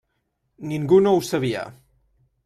Ningú no ho sabia.